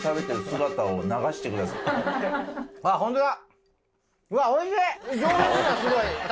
あぁホントだ。